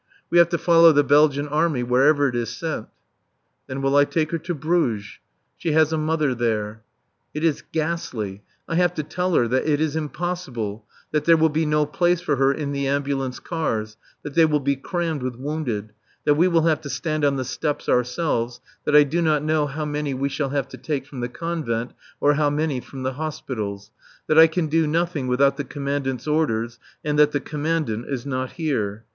We have to follow the Belgian Army wherever it is sent. Then will I take her to Bruges? She has a mother there. It is ghastly. I have to tell her that it is impossible; that there will be no place for her in the ambulance cars, that they will be crammed with wounded, that we will have to stand on the steps ourselves, that I do not know how many we shall have to take from the Convent, or how many from the hospitals; that I can do nothing without the Commandant's orders, and that the Commandant is not here.